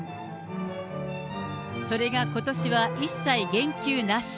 それがことしは一切言及なし。